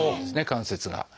関節が。